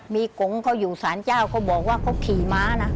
มีกงเขาอยู่สารเจ้าเขาบอกว่าเขาขี่ม้านะ